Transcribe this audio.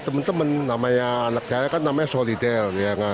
teman teman anak saya kan namanya solidel